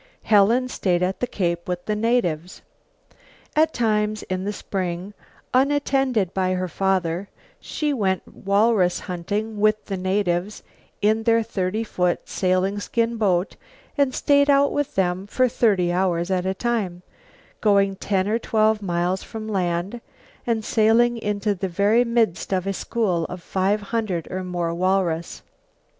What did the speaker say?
Helen stayed at the Cape with the natives. At times, in the spring, unattended by her father, she went walrus hunting with the natives in their thirty foot, sailing skin boat and stayed out with them for thirty hours at a time, going ten or twelve miles from land and sailing into the very midst of a school of five hundred or more of walrus.